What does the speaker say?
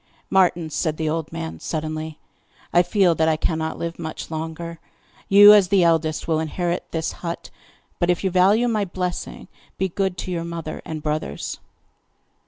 'Martin,' said the old man suddenly, 'I feel that I cannot live much longer. You, as the eldest, will inherit this hut; but, if you value my blessing, be good to your mother and brothers.